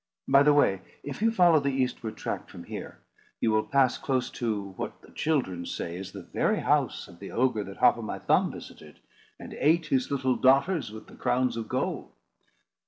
By the way, if you follow the eastward track from here, you will pass close to what the children say is the very house of the ogre that Hop o' my Thumb visited, and ate his little daughters with the crowns of gold."